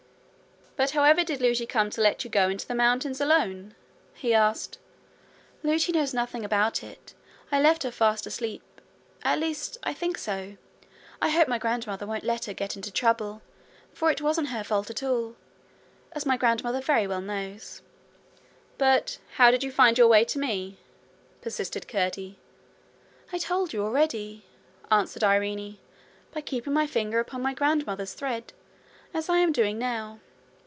'But how ever did Lootie come to let you go into the mountains alone?'he asked. 'Lootie knows nothing about it. I left her fast asleep at least I think so. I hope my grandmother won't let her get into trouble, for it wasn't her fault at all, as my grandmother very well knows.' 'But how did you find your way to me?' persisted Curdie. 'I told you already,' answered Irene; 'by keeping my finger upon my grandmother's thread, as I am doing now.'